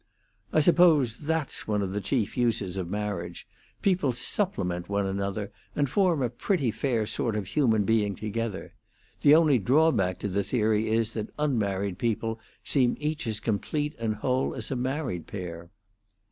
"I suppose that's one of the chief uses of marriage; people supplement one another, and form a pretty fair sort of human being together. The only drawback to the theory is that unmarried people seem each as complete and whole as a married pair."